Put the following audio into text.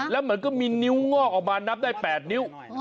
แล้วเหมือนก็มีนิ้วงอกออกมานับได้๘นิ้ว